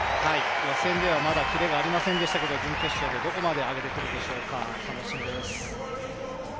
予選ではまだキレがありませんでしたけど準決勝でどこまで上げてくるでしょうか楽しみです。